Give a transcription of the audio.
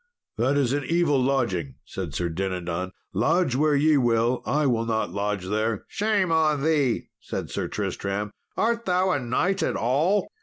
"That is an evil lodging," said Sir Dinadan; "lodge where ye will, I will not lodge there." "Shame on thee!" said Sir Tristram; "art thou a knight at all?"